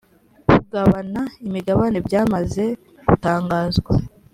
kugabana imigabane byamaze gutangazwa .